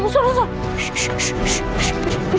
aja dia sama orang di sana gitu